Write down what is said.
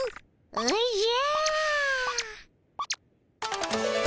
おじゃ！